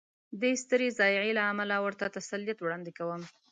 دې سترې ضایعې له امله ورته تسلیت وړاندې کوم.